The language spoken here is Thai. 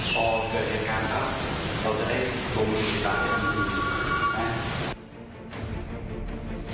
พอเกิดเหตุการณ์ต่างเราจะได้ตรงมือต่าง